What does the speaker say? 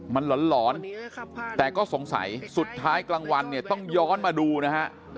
มันหลอนแต่ก็สงสัยสุดท้ายกลางวันเนี่ยต้องย้อนมาดูนะฮะ